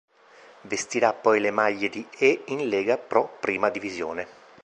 Vestirà poi le maglie di e in Lega Pro Prima Divisione.